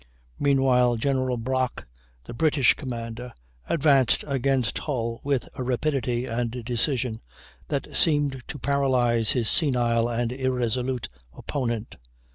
Meanwhile, General Brock, the British commander, advanced against Hull with a rapidity and decision that seemed to paralyze his senile and irresolute opponent.